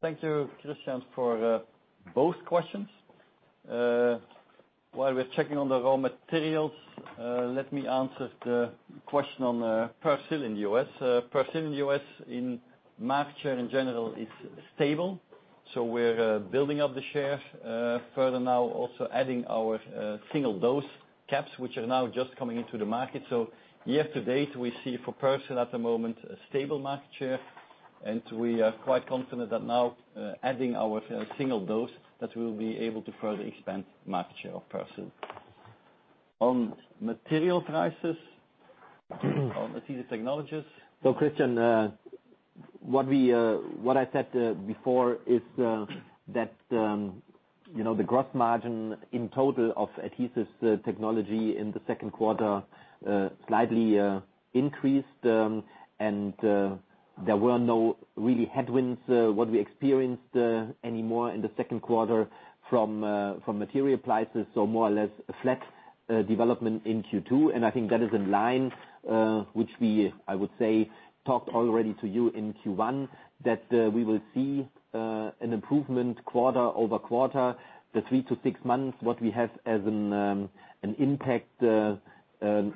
Speaker 2: Thank you, Christian, for both questions. While we're checking on the raw materials, let me answer the question on Persil in the U.S. Persil in the U.S. in market share in general is stable. We're building up the share further now, also adding our single-dose caps, which are now just coming into the market. Year to date, we see for Persil at the moment a stable market share, and we are quite confident that now adding our single-dose, that we'll be able to further expand market share of Persil. On material prices on Adhesive Technologies.
Speaker 3: Christian, what I said before is that the gross margin in total of Adhesive Technologies in the second quarter slightly increased, and there were no really headwinds what we experienced anymore in the second quarter from material prices. More or less a flat development in Q2. I think that is in line, which we, I would say, talked already to you in Q1, that we will see an improvement quarter-over-quarter. The 3-6 months, what we have as an impact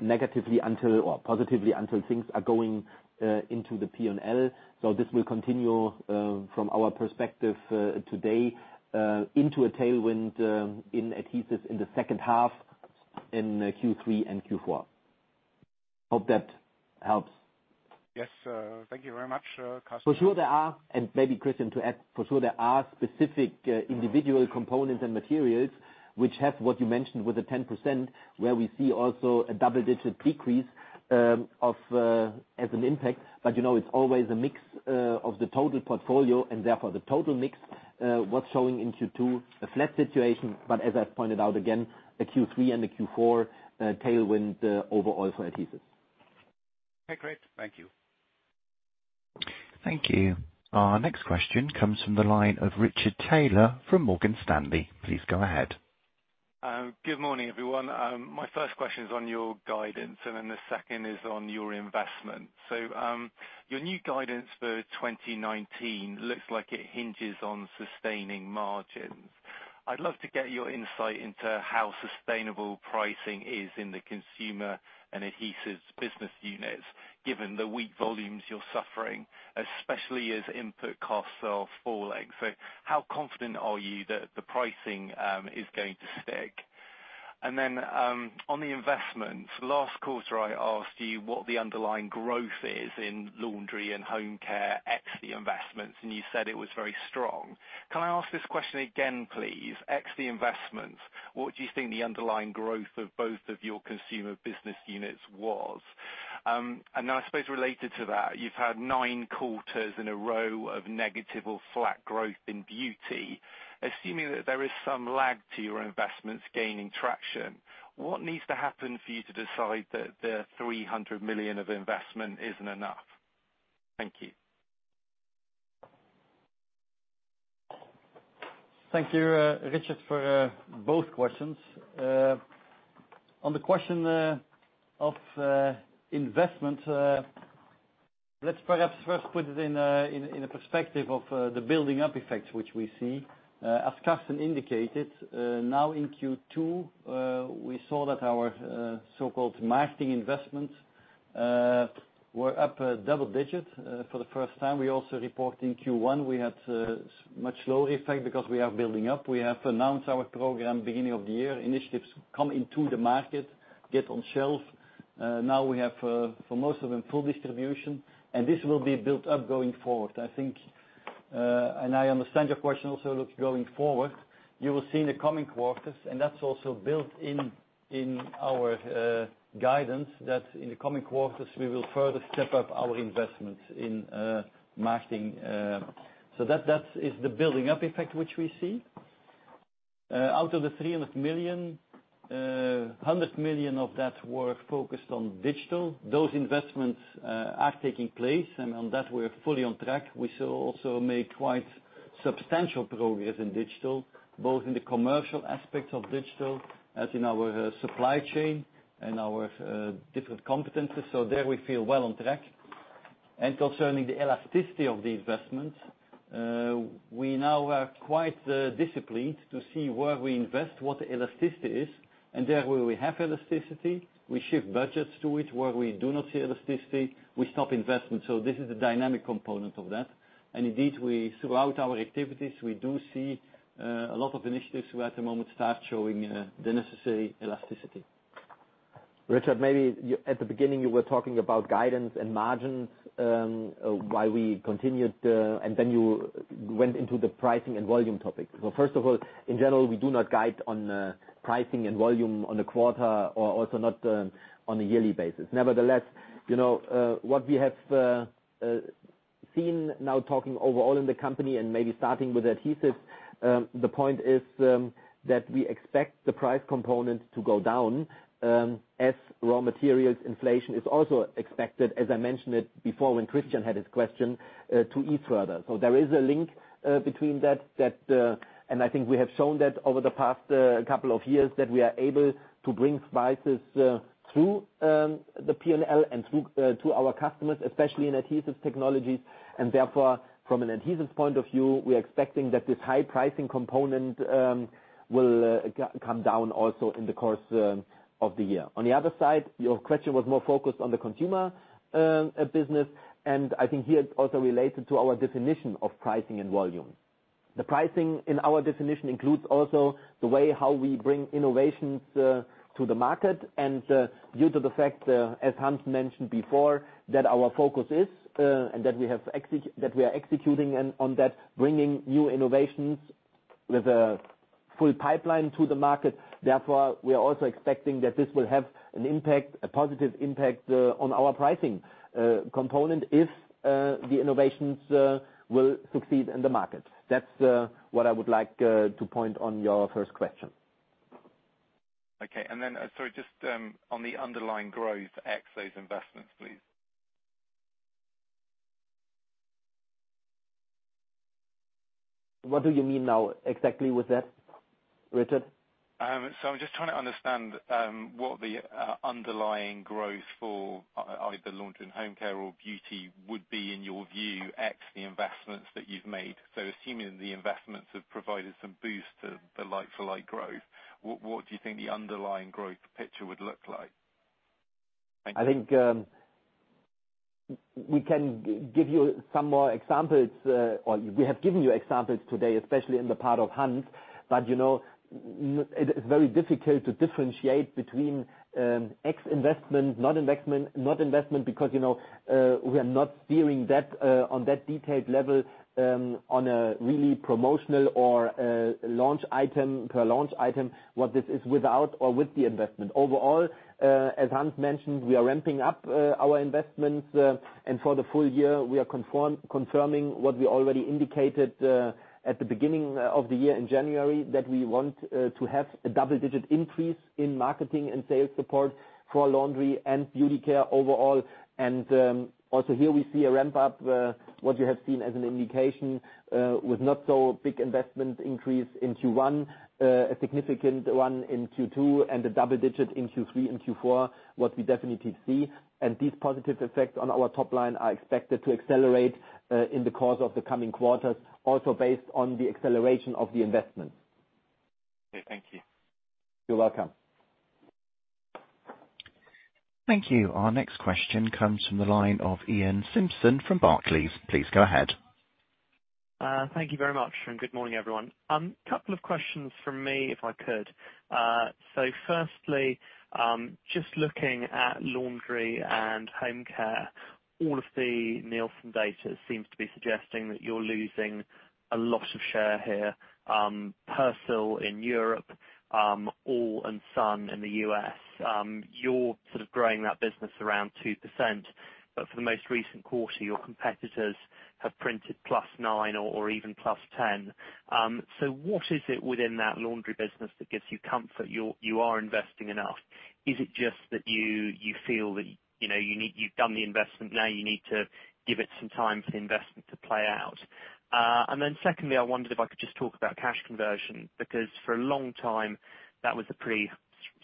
Speaker 3: negatively until, or positively until things are going into the P&L. This will continue from our perspective today into a tailwind in Adhesives in the second half in Q3 and Q4. Hope that helps.
Speaker 4: Yes. Thank you very much, Carsten.
Speaker 3: For sure, there are, and maybe Christian Faitz to add, for sure there are specific individual components and materials which have what you mentioned with the 10%, where we see also a double-digit decrease as an impact. It's always a mix of the total portfolio and therefore the total mix, what's showing in Q2, a flat situation. As I pointed out again, a Q3 and a Q4 tailwind overall for adhesives.
Speaker 4: Okay, great. Thank you.
Speaker 1: Thank you. Our next question comes from the line of Richard Taylor from Morgan Stanley. Please go ahead.
Speaker 5: Good morning, everyone. My first question is on your guidance, and then the second is on your investment. Your new guidance for 2019 looks like it hinges on sustaining margins. I'd love to get your insight into how sustainable pricing is in the consumer and Adhesive Technologies business units, given the weak volumes you're suffering, especially as input costs are falling. How confident are you that the pricing is going to stick? On the investments, last quarter, I asked you what the underlying growth is in Laundry & Home Care ex the investments, and you said it was very strong. Can I ask this question again, please? Ex the investments, what do you think the underlying growth of both of your consumer business units was? I suppose related to that, you've had nine quarters in a row of negative or flat growth in Beauty Care. Assuming that there is some lag to your investments gaining traction, what needs to happen for you to decide that the 300 million of investment isn't enough? Thank you.
Speaker 2: Thank you, Richard, for both questions. On the question of investment, let's perhaps first put it in a perspective of the building up effects, which we see. As Carsten indicated, now in Q2, we saw that our so-called marketing investments were up a double digit for the first time. We also report in Q1, we had much lower effect because we are building up. We have announced our program beginning of the year. Initiatives come into the market, get on shelf. Now we have for most of them, full distribution, and this will be built up going forward. I think, I understand your question also looks going forward. You will see in the coming quarters, that's also built in our guidance that in the coming quarters, we will further step up our investments in marketing. That is the building up effect, which we see. Out of the 300 million, 100 million of that were focused on digital. Those investments are taking place, and on that we're fully on track. We still also made quite substantial progress in digital, both in the commercial aspects of digital as in our supply chain and our different competencies. There we feel well on track. Concerning the elasticity of the investments, we now are quite disciplined to see where we invest, what the elasticity is, and there where we have elasticity, we shift budgets to it. Where we do not see elasticity, we stop investments. This is the dynamic component of that. Indeed, throughout our activities, we do see a lot of initiatives who at the moment start showing the necessary elasticity.
Speaker 3: Richard, maybe at the beginning, you were talking about guidance and margins, why we continued, and then you went into the pricing and volume topic. First of all, in general, we do not guide on pricing and volume on the quarter or also not on a yearly basis. Nevertheless, what we have seen now talking overall in the company and maybe starting with Adhesives, the point is that we expect the price component to go down as raw materials inflation is also expected, as I mentioned it before, when Christian had his question, to ease further. There is a link between that, and I think we have shown that over the past couple of years that we are able to bring prices through the P&L and to our customers, especially in Adhesive Technologies. Therefore, from an adhesives point of view, we are expecting that this high pricing component will come down also in the course of the year. On the other side, your question was more focused on the consumer business, and I think here it also related to our definition of pricing and volume. The pricing in our definition includes also the way how we bring innovations to the market, and due to the fact, as Hans mentioned before, that our focus is and that we are executing and on that, bringing new innovations with a full pipeline to the market. Therefore, we are also expecting that this will have a positive impact on our pricing component if the innovations will succeed in the market. That's what I would like to point on your first question.
Speaker 5: Okay. Sorry, just on the underlying growth, ex those investments, please.
Speaker 3: What do you mean now exactly with that, Richard?
Speaker 5: I'm just trying to understand what the underlying growth for either Laundry & Home Care or Beauty would be in your view, ex the investments that you've made. Assuming the investments have provided some boost to the like for like growth, what do you think the underlying growth picture would look like? Thank you.
Speaker 3: We can give you some more examples, or we have given you examples today, especially in the part of Hans. It's very difficult to differentiate between X investment, not investment, because we are not steering on that detailed level on a really promotional or per launch item, what this is without or with the investment. Overall, as Hans mentioned, we are ramping up our investments. For the full year, we are confirming what we already indicated at the beginning of the year in January, that we want to have a double-digit increase in marketing and sales support for Laundry and Beauty Care overall. Also here we see a ramp up, what you have seen as an indication with not so big investment increase in Q1, a significant one in Q2 and a double-digit in Q3 and Q4, what we definitely see. These positive effects on our top line are expected to accelerate in the course of the coming quarters, also based on the acceleration of the investment.
Speaker 5: Okay, thank you.
Speaker 3: You're welcome.
Speaker 1: Thank you. Our next question comes from the line of Iain Simpson from Barclays. Please go ahead.
Speaker 6: Thank you very much, and good morning, everyone. Couple of questions from me, if I could. Firstly, just looking at Laundry & Home Care, all of the Nielsen data seems to be suggesting that you're losing a lot of share here. Persil in Europe, all and Sun in the U.S. You're sort of growing that business around 2%, but for the most recent quarter, your competitors have printed +9 or even +10. What is it within that laundry business that gives you comfort you are investing enough? Is it just that you feel that you've done the investment, now you need to give it some time for the investment to play out? Secondly, I wondered if I could just talk about cash conversion, because for a long time, that was a pretty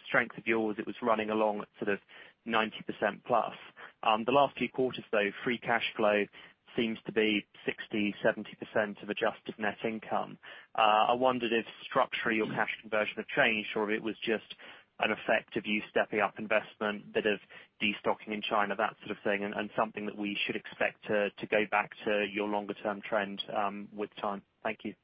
Speaker 6: strength of yours. It was running along at sort of 90%+. The last few quarters, though, free cash flow seems to be 60%, 70% of adjusted net income. I wondered if structurally your cash conversion have changed or if it was just an effect of you stepping up investment, bit of de-stocking in China, that sort of thing, and something that we should expect to go back to your longer term trend with time. Thank you.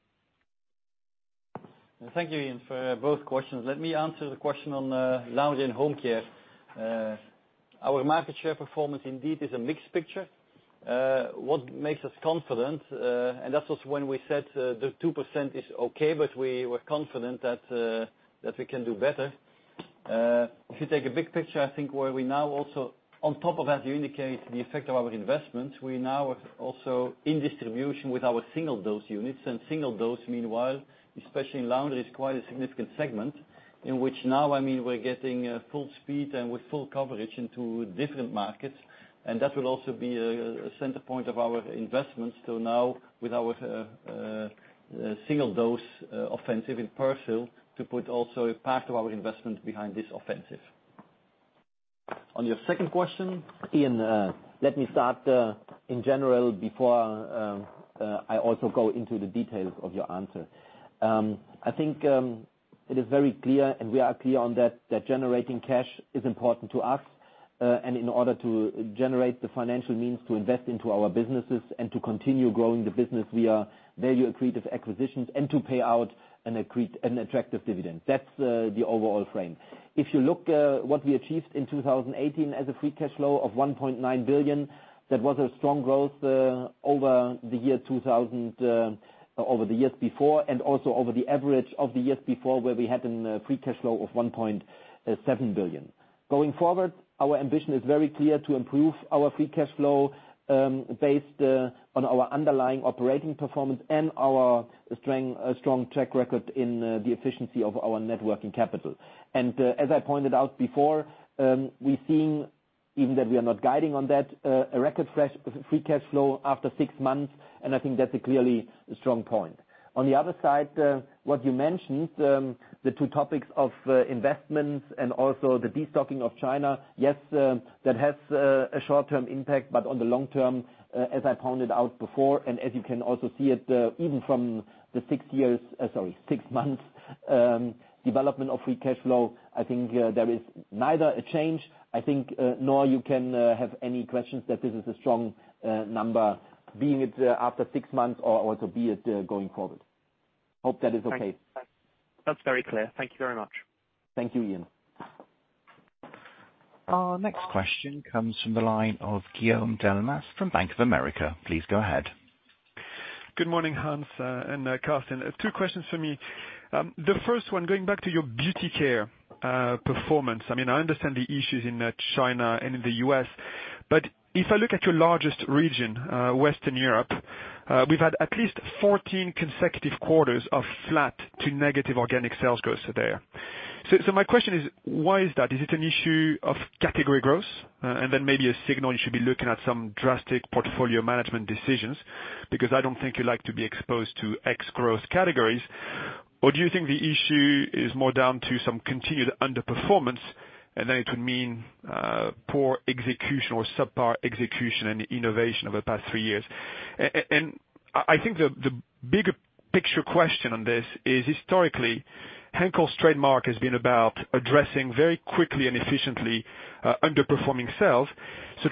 Speaker 2: Thank you, Iain, for both questions. Let me answer the question on Laundry & Home Care. Our market share performance indeed is a mixed picture. What makes us confident, and that's also when we said the 2% is okay, but we were confident that we can do better. If you take a big picture, I think where we now also, on top of that, you indicate the effect of our investments. We now are also in distribution with our single-dose units. Single dose, meanwhile, especially in laundry, is quite a significant segment in which now we're getting full speed and with full coverage into different markets. That will also be a center point of our investments to now with our single-dose offensive in Persil to put also a part of our investment behind this offensive.
Speaker 3: On your second question, Iain, let me start in general before I also go into the details of your answer. I think it is very clear, and we are clear on that generating cash is important to us. In order to generate the financial means to invest into our businesses and to continue growing the business via value accretive acquisitions and to pay out an attractive dividend. That's the overall frame. If you look what we achieved in 2018 as a free cash flow of 1.9 billion, that was a strong growth over the years before, and also over the average of the years before, where we had a free cash flow of 1.7 billion. Going forward, our ambition is very clear to improve our free cash flow based on our underlying operating performance and our strong track record in the efficiency of our net working capital. As I pointed out before, we're seeing, even though we are not guiding on that, a record free cash flow after six months, and I think that's a clearly strong point. On the other side, what you mentioned, the two topics of investments and also the de-stocking of China. Yes, that has a short-term impact, but on the long term, as I pointed out before, and as you can also see it, even from the six months development of free cash flow, I think there is neither a change, I think nor you can have any questions that this is a strong number, being it after six months or also be it going forward. Hope that is okay.
Speaker 6: That's very clear. Thank you very much.
Speaker 3: Thank you, lain.
Speaker 1: Our next question comes from the line of Guillaume Delmas from Bank of America. Please go ahead.
Speaker 7: Good morning, Hans and Carsten. Two questions for me. The first one, going back to your Beauty Care performance. I understand the issues in China and in the U.S., but if I look at your largest region, Western Europe, we've had at least 14 consecutive quarters of flat to negative organic sales growth there. My question is, why is that? Is it an issue of category growth? Maybe a signal you should be looking at some drastic portfolio management decisions, because I don't think you like to be exposed to X growth categories. Do you think the issue is more down to some continued underperformance, and then it would mean poor execution or subpar execution and innovation over the past three years? I think the bigger picture question on this is historically, Henkel's trademark has been about addressing very quickly and efficiently underperforming sales.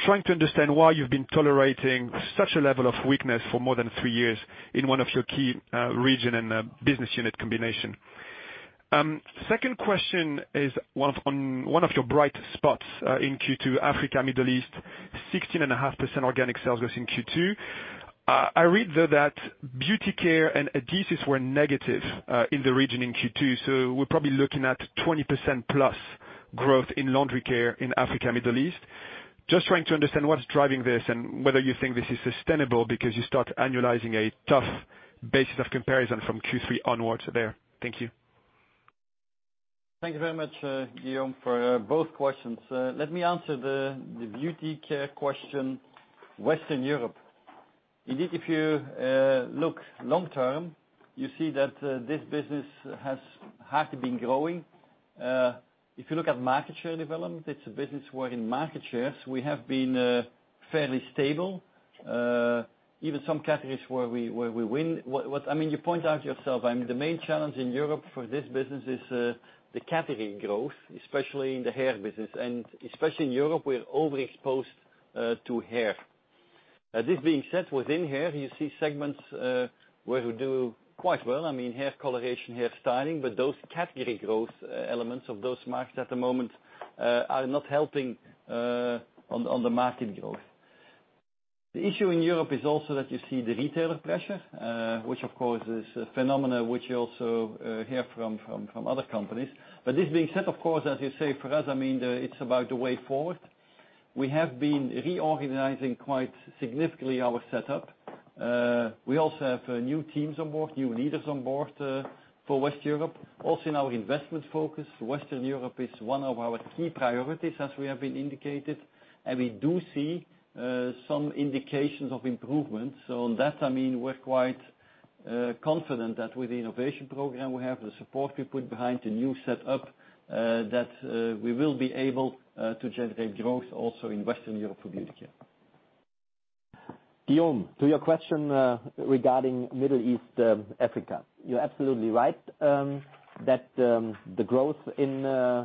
Speaker 7: Trying to understand why you've been tolerating such a level of weakness for more than three years in one of your key region and business unit combination. Second question is on one of your bright spots in Q2, Africa, Middle East, 16.5% organic sales growth in Q2. I read, though, that Beauty Care and adhesives were negative in the region in Q2. We're probably looking at 20% plus growth in laundry care in Africa, Middle East. Just trying to understand what's driving this and whether you think this is sustainable because you start annualizing a tough basis of comparison from Q3 onwards there. Thank you.
Speaker 2: Thank you very much, Guillaume, for both questions. Let me answer the Beauty Care question. Western Europe. Indeed, if you look long-term, you see that this business has hardly been growing. If you look at market share development, it's a business where in market shares, we have been fairly stable. Even some categories where we win. You point out yourself, the main challenge in Europe for this business is the category growth, especially in the hair business. Especially in Europe, we are overexposed to hair. This being said, within hair, you see segments where we do quite well. Hair coloration, hair styling, those category growth elements of those markets at the moment are not helping on the market growth. The issue in Europe is also that you see the retailer pressure, which, of course, is a phenomenon which you also hear from other companies. This being said, of course, as you say, for us, it's about the way forward. We have been reorganizing quite significantly our setup. We also have new teams on board, new leaders on board for Western Europe. Also in our investment focus, Western Europe is one of our key priorities, as we have been indicated, and we do see some indications of improvement. On that, we're quite confident that with the innovation program we have, the support we put behind the new setup, that we will be able to generate growth also in Western Europe for Beauty Care.
Speaker 3: Guillaume, to your question regarding Middle East, Africa. You are absolutely right that the growth in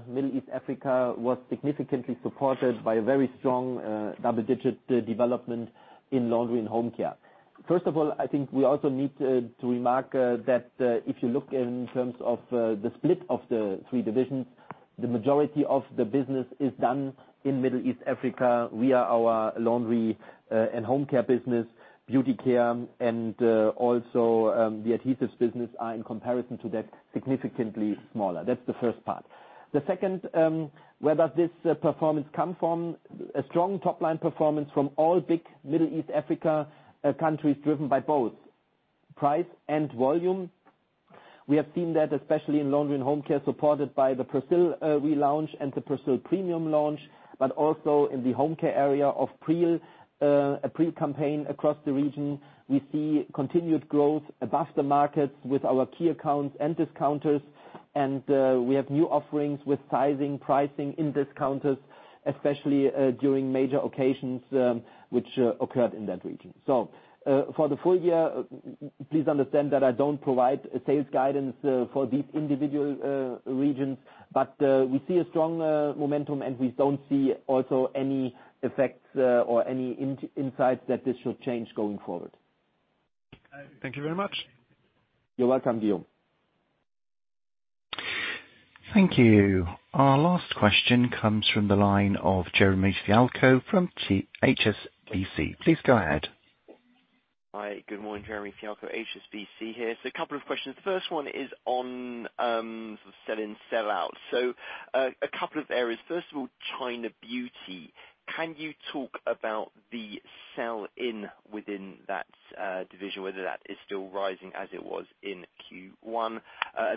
Speaker 3: Middle East, Africa was significantly supported by a very strong double-digit development in laundry and home care. First of all, I think we also need to remark that if you look in terms of the split of the three divisions, the majority of the business is done in Middle East, Africa. We are our Laundry & Home Care business, Beauty Care, and also the Adhesives business are in comparison to that, significantly smaller. That's the first part. The second, where does this performance come from? A strong top-line performance from all big Middle East, Africa countries driven by both price and volume. We have seen that especially in laundry and home care supported by the Persil relaunch and the Persil premium launch, but also in the home care area of a Bref campaign across the region. We see continued growth above the markets with our key accounts and discounters, and we have new offerings with sizing, pricing in discounters, especially during major occasions which occurred in that region. For the full year, please understand that I don't provide sales guidance for these individual regions, but we see a strong momentum, and we don't see also any effects or any insights that this should change going forward.
Speaker 7: Thank you very much.
Speaker 3: You're welcome, Guillaume.
Speaker 1: Thank you. Our last question comes from the line of Jeremy Fialko from HSBC. Please go ahead.
Speaker 8: Hi, good morning. Jeremy Fialko, HSBC here. A couple of questions. The first one is on sell-in, sell-out. A couple of areas. First of all, China Beauty. Can you talk about the sell-in within that division, whether that is still rising as it was in Q1?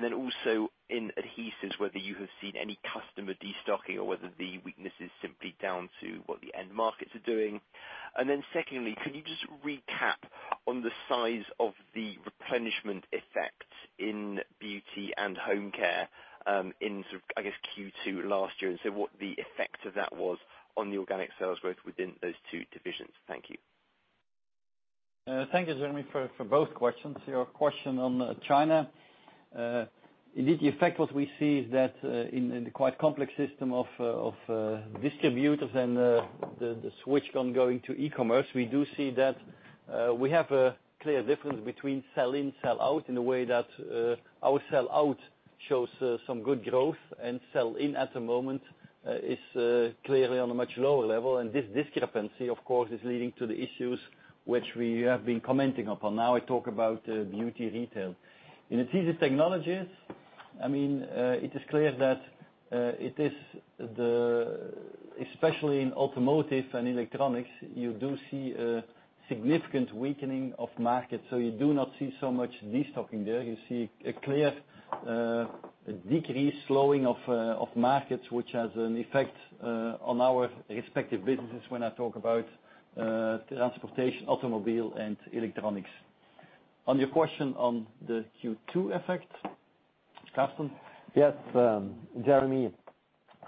Speaker 8: Then also in adhesives, whether you have seen any customer destocking or whether the weakness is simply down to what the end markets are doing. Then secondly, can you just recap on the size of the replenishment effect in beauty and home care in, I guess, Q2 last year, what the effect of that was on the organic sales growth within those two divisions? Thank you.
Speaker 2: Thank you, Jeremy, for both questions. Your question on China. Indeed, the effect what we see is that in the quite complex system of distributors and the switch on going to e-commerce, we do see that we have a clear difference between sell-in, sell-out in a way that our sell-out shows some good growth and sell-in at the moment is clearly on a much lower level, and this discrepancy, of course, is leading to the issues which we have been commenting upon. Now I talk about beauty retail. In Adhesive Technologies, it is clear that especially in automotive and electronics, you do see a significant weakening of markets. You do not see so much destocking there. You see a clear decrease, slowing of markets, which has an effect on our respective businesses when I talk about transportation, automobile, and electronics. On your question on the Q2 effect, Carsten?
Speaker 3: Yes, Jeremy.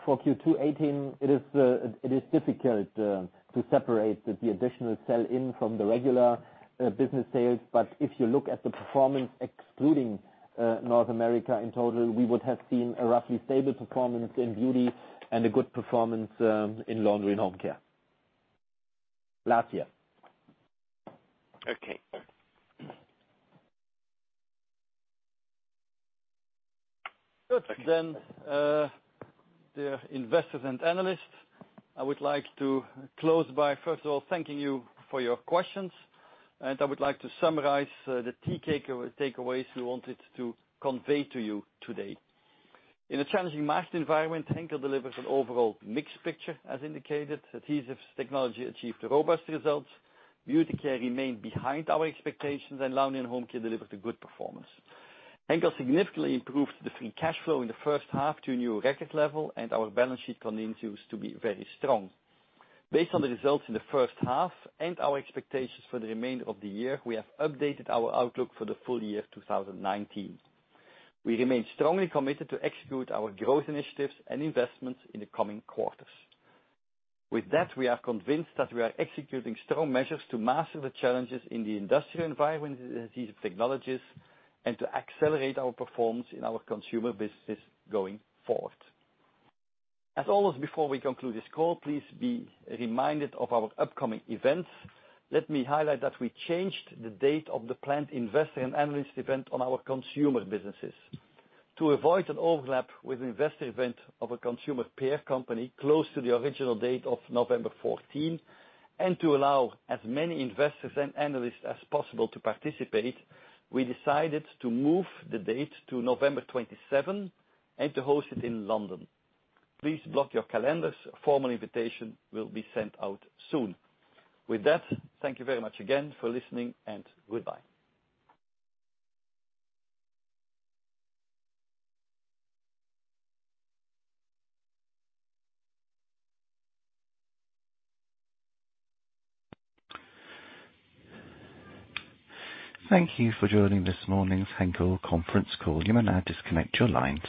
Speaker 3: For Q2 2018, it is difficult to separate the additional sell-in from the regular business sales. If you look at the performance excluding North America in total, we would have seen a roughly stable performance in Beauty and a good performance in Laundry & Home Care last year.
Speaker 1: Okay.
Speaker 2: Good. dear investors and analysts, I would like to close by first of all thanking you for your questions, and I would like to summarize the key takeaways we wanted to convey to you today. In a challenging market environment, Henkel delivers an overall mixed picture, as indicated. Adhesive Technologies achieved robust results. Beauty Care remained behind our expectations, and Laundry & Home Care delivered a good performance. Henkel significantly improved the free cash flow in the first half to a new record level, and our balance sheet continues to be very strong. Based on the results in the first half and our expectations for the remainder of the year, we have updated our outlook for the full year 2019. We remain strongly committed to execute our growth initiatives and investments in the coming quarters. With that, we are convinced that we are executing strong measures to master the challenges in the industrial environment Adhesive Technologies, and to accelerate our performance in our consumer businesses going forward. As always before we conclude this call, please be reminded of our upcoming events. Let me highlight that we changed the date of the planned investor and analyst event on our consumer businesses. To avoid an overlap with investor event of a consumer peer company close to the original date of November 14, to allow as many investors and analysts as possible to participate, we decided to move the date to November 27 and to host it in London. Please block your calendars. A formal invitation will be sent out soon. With that, thank you very much again for listening, and goodbye.
Speaker 1: Thank you for joining this morning's Henkel conference call. You may now disconnect your lines.